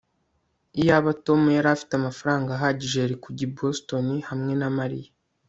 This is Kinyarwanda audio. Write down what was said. Iyaba Tom yari afite amafaranga ahagije yari kujya i Boston hamwe na Mariya